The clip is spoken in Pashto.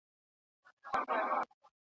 وئیل یې یو عذاب د انتظار په نوم یادېږي ,